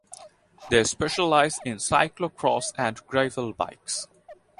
They specialise in cyclocross and gravel bikes.